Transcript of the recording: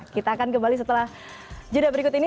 kita akan kembali setelah jeda berikut ini